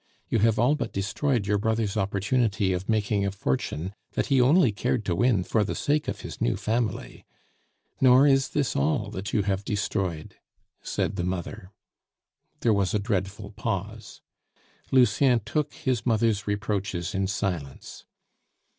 You have all but destroyed your brother's opportunity of making a fortune that he only cared to win for the sake of his new family. Nor is this all that you have destroyed " said the mother. There was a dreadful pause; Lucien took his mother's reproaches in silence.